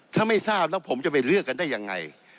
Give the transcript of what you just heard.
ถ้าไม่ทราบแล้วผมจะไปเลือกกันได้ยังไง